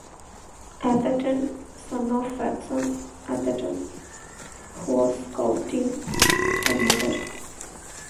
Atherton, son of Faxon Atherton, who was courting her mother.